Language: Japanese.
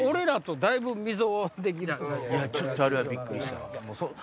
ちょっとあれはびっくりした。